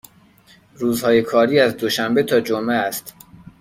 روزهای کاری از دوشنبه تا جمعه است.